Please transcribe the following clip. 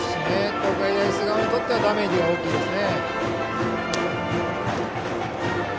東海大菅生にとってはダメージが大きいですね。